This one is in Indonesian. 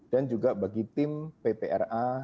dan juga bagi tim ppra